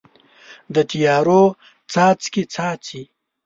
د تیارو څاڅکي، څاڅي